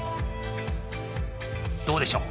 どうでしょう？